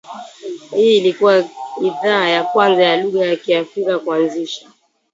Hii ilikua idhaa ya kwanza ya lugha ya Kiafrika kuanzisha